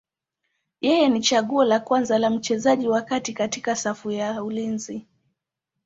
Yeye ni chaguo la kwanza la mchezaji wa kati katika safu ya ulinzi.